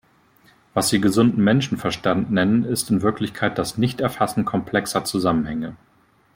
Was Sie gesunden Menschenverstand nennen, ist in Wirklichkeit das Nichterfassen komplexer Zusammenhänge.